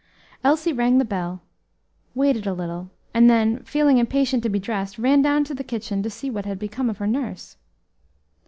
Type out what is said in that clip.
Elsie rang the bell, waited a little, and then, feeling impatient to be dressed, ran down to the kitchen to see what had become of her nurse.